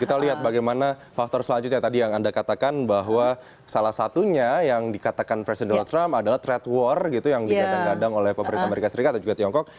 kita lihat bagaimana faktor selanjutnya tadi yang anda katakan bahwa salah satunya yang dikatakan presiden donald trump adalah trade war gitu yang digadang gadang oleh pemerintah amerika serikat dan juga tiongkok